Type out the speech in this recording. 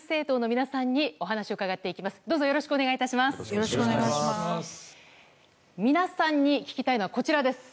皆さんに聞きたいのはこちらです。